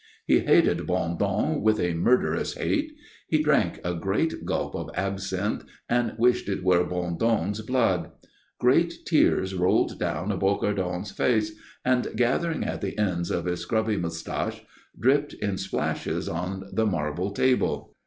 He hated Bondon with a murderous hate. He drank a great gulp of absinthe and wished it were Bondon's blood. Great tears rolled down Bocardon's face, and gathering at the ends of his scrubby moustache dripped in splashes on the marble table.